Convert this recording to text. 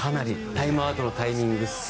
タイムアウトのタイミング